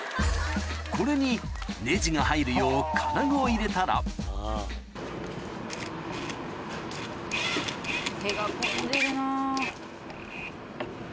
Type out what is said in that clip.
これにネジが入るよう金具を入れたら手が込んでるな。